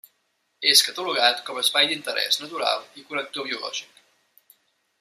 És catalogat com espai d'interès natural i connector biològic.